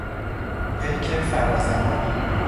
پیک فرا زمانی